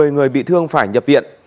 một mươi người bị thương phải nhập viện